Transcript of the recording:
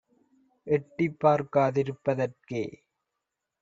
எட்டிப் பார்க்கா திருப்ப தற்கே